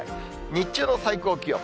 日中の最高気温。